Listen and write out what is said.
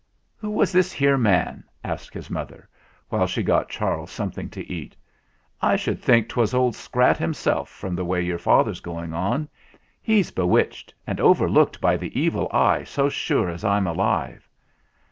"Who was this here man?" asked his mother, while she got Charles something to eat. "I should think 'twas Old Scrat himself from the way your father's going on. He's bewitched and overlooked by the evil eye so sure as I'm alive."